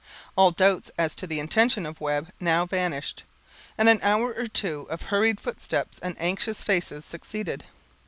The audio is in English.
All doubts as to the intention of Webb now vanished, and an hour or two of hurried footsteps and anxious faces succeeded.